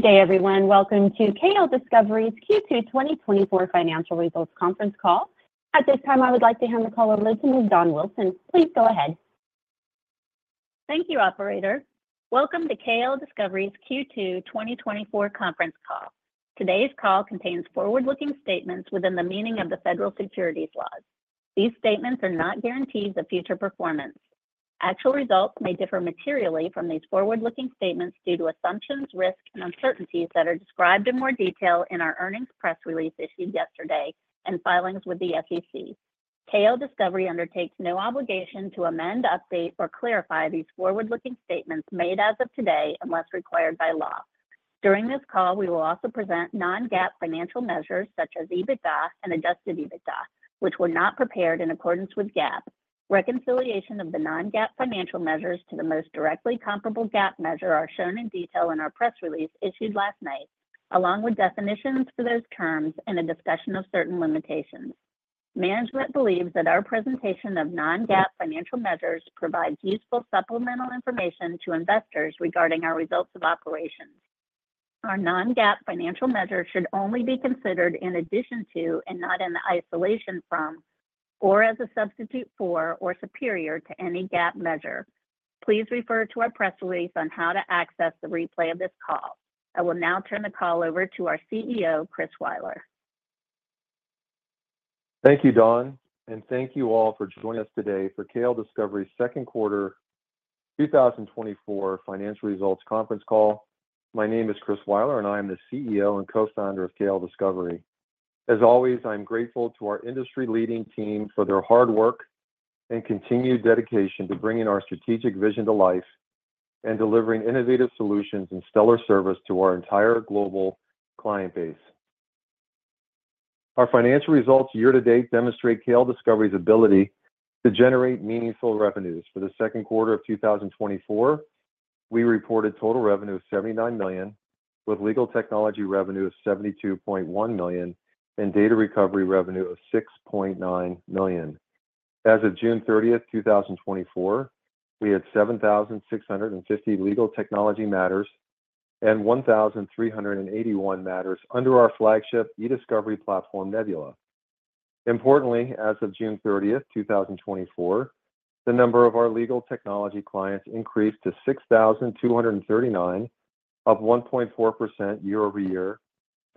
Good day, everyone. Welcome to KLDiscovery's Q2 2024 Financial Results Conference Call. At this time, I would like to hand the call over to Dawn Wilson. Please go ahead. Thank you, operator. Welcome to KLDiscovery's Q2 2024 Conference Call. Today's call contains forward-looking statements within the meaning of the federal securities laws. These statements are not guarantees of future performance. Actual results may differ materially from these forward-looking statements due to assumptions, risks, and uncertainties that are described in more detail in our earnings press release issued yesterday and filings with the SEC. KLDiscovery undertakes no obligation to amend, update, or clarify these forward-looking statements made as of today unless required by law. During this call, we will also present non-GAAP financial measures such as EBITDA and adjusted EBITDA, which were not prepared in accordance with GAAP. Reconciliation of the non-GAAP financial measures to the most directly comparable GAAP measure are shown in detail in our press release issued last night, along with definitions for those terms and a discussion of certain limitations. Management believes that our presentation of non-GAAP financial measures provides useful supplemental information to investors regarding our results of operations. Our non-GAAP financial measures should only be considered in addition to, and not in the isolation from, or as a substitute for, or superior to any GAAP measure. Please refer to our press release on how to access the replay of this call. I will now turn the call over to our CEO, Chris Weiler. Thank you, Dawn, and thank you all for joining us today for KLDiscovery's Q2 2024 financial results conference call. My name is Chris Weiler, and I am the CEO and co-founder of KLDiscovery. As always, I'm grateful to our industry-leading team for their hard work and continued dedication to bringing our strategic vision to life and delivering innovative solutions and stellar service to our entire global client base. Our financial results year-to-date demonstrate KLDiscovery's ability to generate meaningful revenues. For the Q2 of 2024, we reported total revenue of $79 million, with legal technology revenue of $72.1 million and data recovery revenue of $6.9 million. As of June 30, 2024, we had 7,650 legal technology matters and 1,381 matters under our flagship eDiscovery platform, Nebula. Importantly, as of June 30, 2024, the number of our legal technology clients increased to 6,239, up 1.4% year-over-year,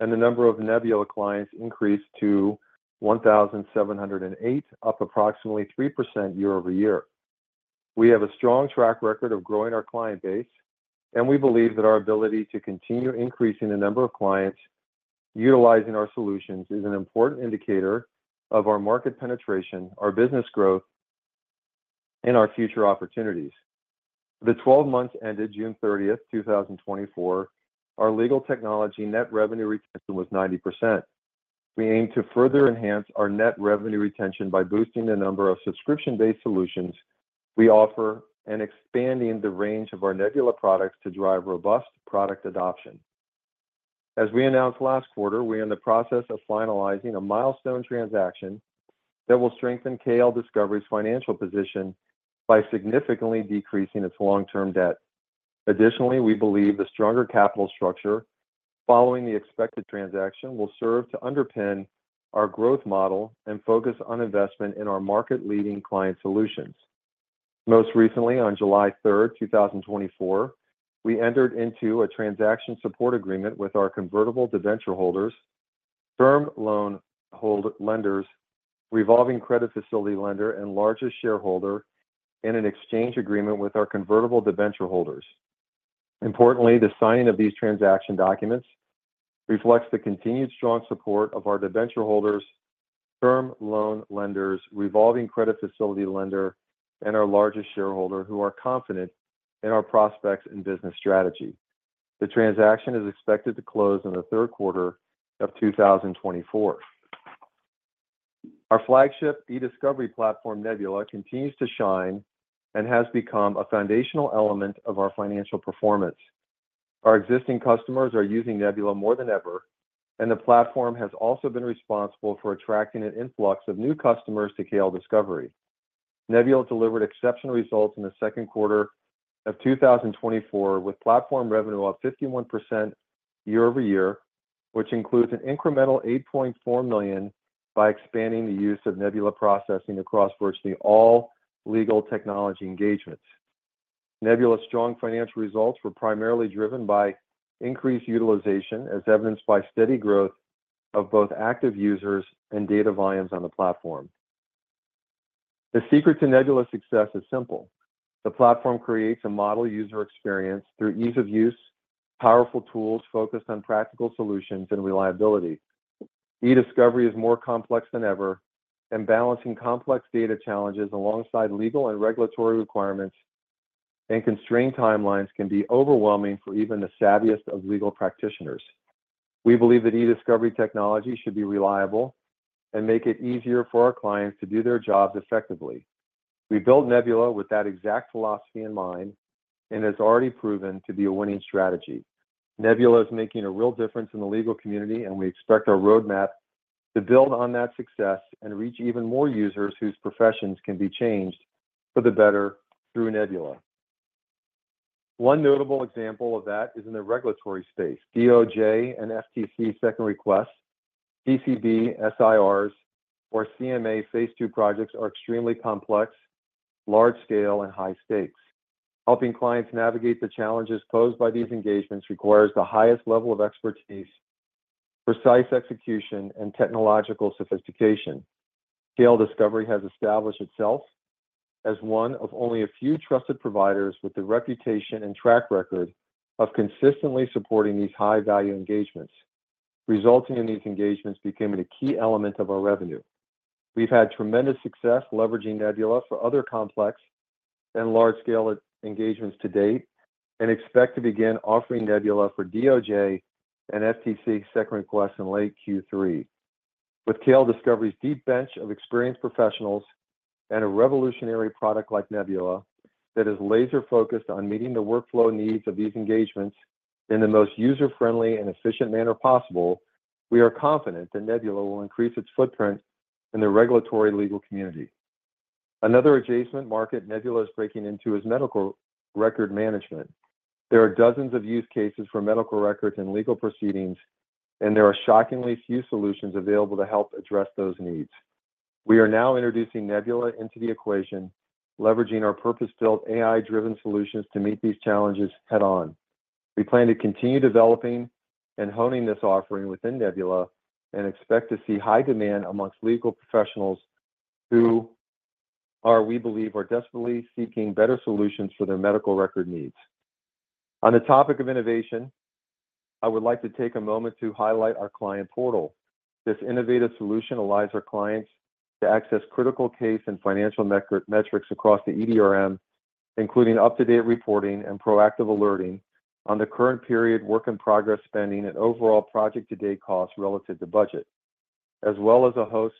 and the number of Nebula clients increased to 1,708, up approximately 3% year-over-year. We have a strong track record of growing our client base, and we believe that our ability to continue increasing the number of clients utilizing our solutions is an important indicator of our market penetration, our business growth, and our future opportunities. For the 12 months ended June 30, 2024, our legal technology net revenue retention was 90%. We aim to further enhance our net revenue retention by boosting the number of subscription-based solutions we offer and expanding the range of our Nebula products to drive robust product adoption. As we announced last quarter, we are in the process of finalizing a milestone transaction that will strengthen KLDiscovery's financial position by significantly decreasing its long-term debt. Additionally, we believe the stronger capital structure following the expected transaction will serve to underpin our growth model and focus on investment in our market-leading client solutions. Most recently, on July 3, 2024, we entered into a transaction support agreement with our convertible debenture holders, term loan holders, revolving credit facility lender, and largest shareholder in an exchange agreement with our convertible debenture holders. Importantly, the signing of these transaction documents reflects the continued strong support of our debenture holders, term loan lenders, revolving credit facility lender, and our largest shareholder, who are confident in our prospects and business strategy. The transaction is expected to close in the Q3 of 2024. Our flagship eDiscovery platform, Nebula, continues to shine and has become a foundational element of our financial performance. Our existing customers are using Nebula more than ever, and the platform has also been responsible for attracting an influx of new customers to KLDiscovery. Nebula delivered exceptional results in the Q2 of 2024, with platform revenue up 51% year-over-year, which includes an incremental $8.4 million by expanding the use of Nebula processing across virtually all legal technology engagements. Nebula's strong financial results were primarily driven by increased utilization, as evidenced by steady growth of both active users and data volumes on the platform. The secret to Nebula's success is simple: The platform creates a model user experience through ease of use, powerful tools focused on practical solutions, and reliability. eDiscovery is more complex than ever, and balancing complex data challenges alongside legal and regulatory requirements and constrained timelines can be overwhelming for even the savviest of legal practitioners. We believe that eDiscovery technology should be reliable and make it easier for our clients to do their jobs effectively. We built Nebula with that exact philosophy in mind, and it's already proven to be a winning strategy. Nebula is making a real difference in the legal community, and we expect our roadmap... to build on that success and reach even more users whose professions can be changed for the better through Nebula. One notable example of that is in the regulatory space, DOJ and FTC second requests, CCB, SIRs, or CMA phase two projects are extremely complex, large scale, and high stakes. Helping clients navigate the challenges posed by these engagements requires the highest level of expertise, precise execution, and technological sophistication. KLDiscovery has established itself as one of only a few trusted providers with the reputation and track record of consistently supporting these high-value engagements, resulting in these engagements becoming a key element of our revenue. We've had tremendous success leveraging Nebula for other complex and large-scale engagements to date, and expect to begin offering Nebula for DOJ and FTC second requests in late Q3. With KLDiscovery's deep bench of experienced professionals and a revolutionary product like Nebula that is laser-focused on meeting the workflow needs of these engagements in the most user-friendly and efficient manner possible, we are confident that Nebula will increase its footprint in the regulatory legal community. Another adjacent market Nebula is breaking into is medical record management. There are dozens of use cases for medical records and legal proceedings, and there are shockingly few solutions available to help address those needs. We are now introducing Nebula into the equation, leveraging our purpose-built, AI-driven solutions to meet these challenges head-on. We plan to continue developing and honing this offering within Nebula and expect to see high demand amongst legal professionals who are, we believe, are desperately seeking better solutions for their medical record needs. On the topic of innovation, I would like to take a moment to highlight our Client Portal. This innovative solution allows our clients to access critical case and financial metrics across the EDRM, including up-to-date reporting and proactive alerting on the current period, work in progress spending, and overall project-to-date costs relative to budget, as well as a host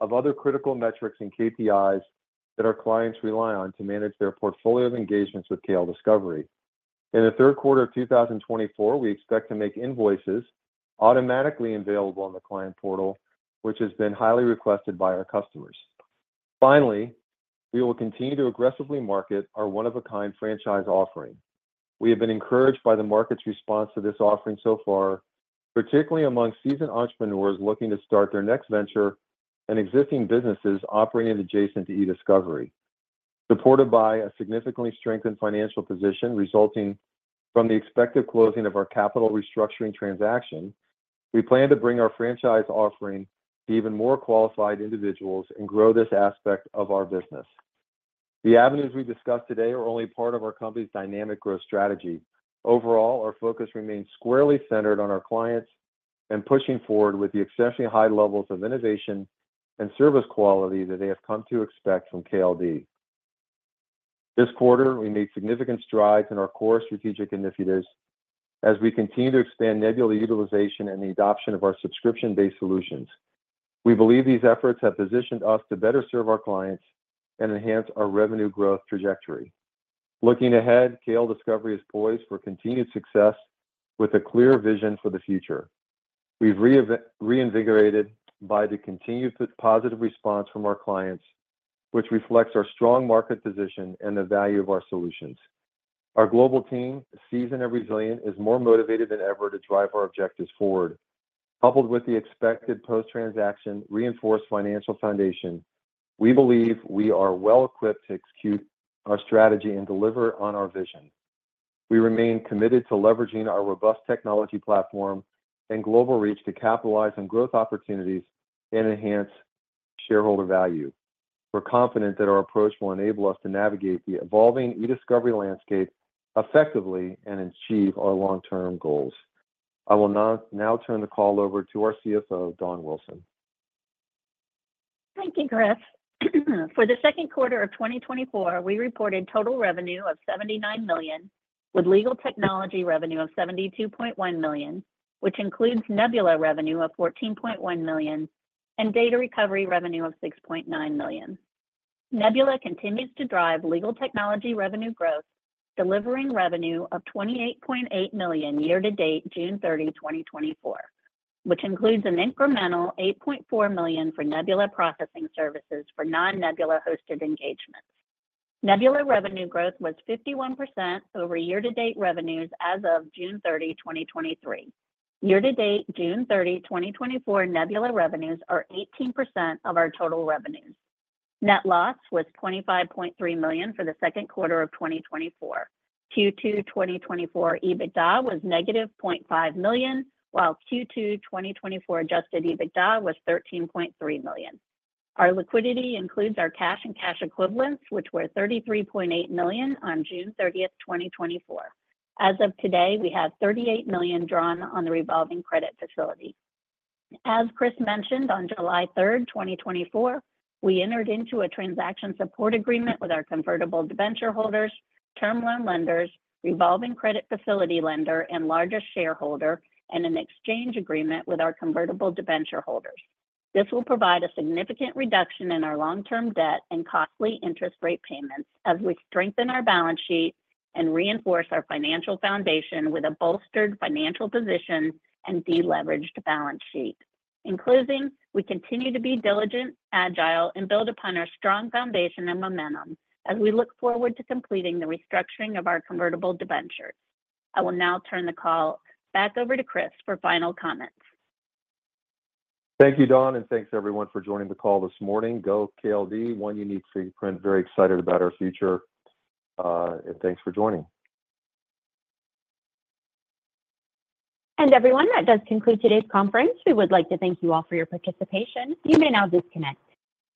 of other critical metrics and KPIs that our clients rely on to manage their portfolio of engagements with KLDiscovery. In the Q3 of 2024, we expect to make invoices automatically available on the Client Portal, which has been highly requested by our customers. Finally, we will continue to aggressively market our one-of-a-kind franchise offering. We have been encouraged by the market's response to this offering so far, particularly among seasoned entrepreneurs looking to start their next venture and existing businesses operating adjacent to eDiscovery. Supported by a significantly strengthened financial position, resulting from the expected closing of our capital restructuring transaction, we plan to bring our franchise offering to even more qualified individuals and grow this aspect of our business. The avenues we discussed today are only part of our company's dynamic growth strategy. Overall, our focus remains squarely centered on our clients and pushing forward with the exceptionally high levels of innovation and service quality that they have come to expect from KLD. This quarter, we made significant strides in our core strategic initiatives as we continue to expand Nebula utilization and the adoption of our subscription-based solutions. We believe these efforts have positioned us to better serve our clients and enhance our revenue growth trajectory. Looking ahead, KLDiscovery is poised for continued success with a clear vision for the future. We've reinvigorated by the continued positive response from our clients, which reflects our strong market position and the value of our solutions. Our global team, seasoned and resilient, is more motivated than ever to drive our objectives forward. Coupled with the expected post-transaction reinforced financial foundation, we believe we are well equipped to execute our strategy and deliver on our vision. We remain committed to leveraging our robust technology platform and global reach to capitalize on growth opportunities and enhance shareholder value. We're confident that our approach will enable us to navigate the evolving eDiscovery landscape effectively and achieve our long-term goals. I will now turn the call over to our CFO, Dawn Wilson. Thank you, Chris. For the Q2 of 2024, we reported total revenue of $79 million, with legal technology revenue of $72.1 million, which includes Nebula revenue of $14.1 million, and data recovery revenue of $6.9 million. Nebula continues to drive legal technology revenue growth, delivering revenue of $28.8 million year to date, June 30, 2024, which includes an incremental $8.4 million for Nebula processing services for non-Nebula-hosted engagements. Nebula revenue growth was 51% over year-to-date revenues as of June 30, 2023. Year to date, June 30, 2024, Nebula revenues are 18% of our total revenues. Net loss was $25.3 million for the Q2 of 2024. Q2 2024 EBITDA was -$0.5 million, while Q2 2024 adjusted EBITDA was $13.3 million. Our liquidity includes our cash and cash equivalents, which were $33.8 million on June 30th, 2024. As of today, we have $38 million drawn on the revolving credit facility. As Chris mentioned, on July 3rd, 2024, we entered into a transaction support agreement with our convertible debenture holders, term loan lenders, revolving credit facility lender, and largest shareholder, and an exchange agreement with our convertible debenture holders. This will provide a significant reduction in our long-term debt and costly interest rate payments as we strengthen our balance sheet and reinforce our financial foundation with a bolstered financial position and de-leveraged balance sheet. In closing, we continue to be diligent, agile, and build upon our strong foundation and momentum as we look forward to completing the restructuring of our convertible debentures. I will now turn the call back over to Chris for final comments. Thank you, Dawn, and thanks everyone for joining the call this morning. Go KLD, one unique fingerprint. Very excited about our future, and thanks for joining. Everyone, that does conclude today's conference. We would like to thank you all for your participation. You may now disconnect.